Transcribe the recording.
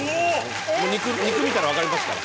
肉見たらわかりますから。